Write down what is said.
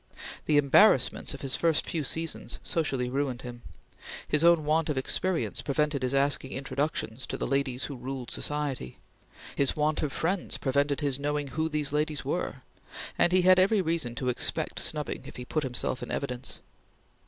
The embarrassments of his first few seasons socially ruined him. His own want of experience prevented his asking introductions to the ladies who ruled society; his want of friends prevented his knowing who these ladies were; and he had every reason to expect snubbing if he put himself in evidence.